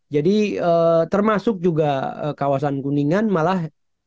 jadi termasuk juga kawasan kuningan malah